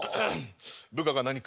部下が何か？